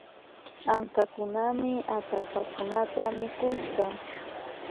Ankakunami atallpakunata mikushka